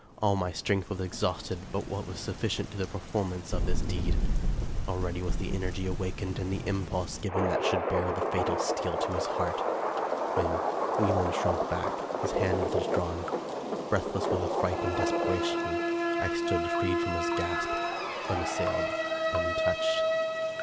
All my strength was exhausted but what was sufficient to the performance of this 299 American Mystery Stories deed. Already was the energy awakened and the impulse given that should bear the fatal steel to his heart, when Wieland shrunk back ; his hand was withdrawn. Breath less with affright and desperation, I stood, freed from his grasp ; unassailed ; untouched.